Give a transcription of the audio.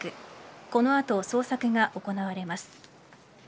この後、捜索が行われます。